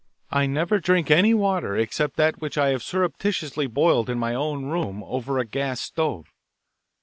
I never drink any water except that which I have surreptitiously boiled in my own room over a gas stove.